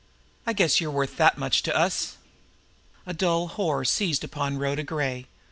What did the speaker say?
I guess you're worth that much to us." A dull horror seized upon Rhoda Gray.